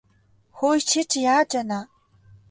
Хөөе чи чинь яаж байна аа?